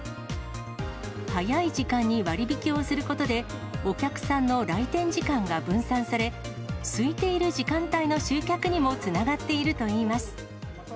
早い時間に割引をすることで、お客さんの来店時間が分散され、すいている時間帯の集客にもつながっているといいます。